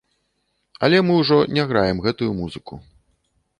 Але мы ўжо не граем гэтую музыку.